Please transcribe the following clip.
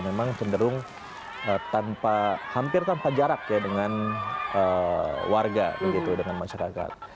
memang cenderung tanpa hampir tanpa jarak ya dengan warga begitu dengan masyarakat